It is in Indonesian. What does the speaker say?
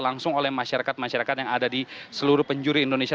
langsung oleh masyarakat masyarakat yang ada di seluruh penjuri indonesia